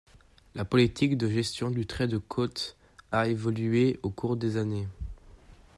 La politique de gestion du trait de côte a évolué au cours des années.